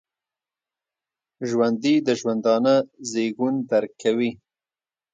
ژوندي د ژوندانه زیږون درک کوي